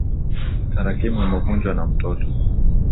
Tarakimu imevunjwa na mtoto.